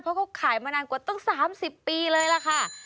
เพราะเขาขายมานานกว่าตั้ง๓๐ปีเลยล่ะค่ะ